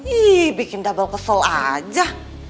ih bikin double kesel aja